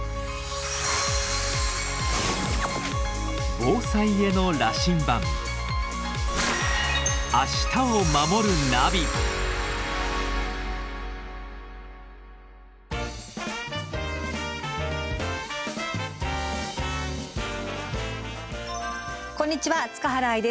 防災への羅針盤こんにちは塚原愛です。